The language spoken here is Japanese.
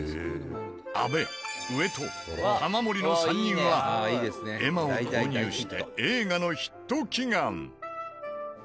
阿部上戸玉森の３人は絵馬を購入して映画のヒット祈願。